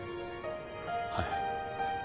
はい。